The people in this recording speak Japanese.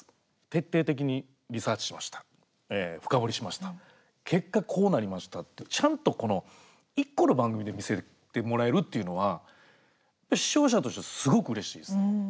徹底的にリサーチしました深掘りしました結果、こうなりましたってちゃんと１個の番組で見せてもらえるっていうのは視聴者としてすごくうれしいです。